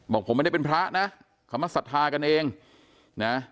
บอกผมไม่ได้เป็นพระนะเขามาศรัทธากันเองนะ